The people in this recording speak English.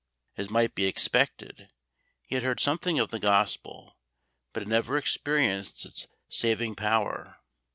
As might be expected, he had heard something of the Gospel, but had never experienced its saving power.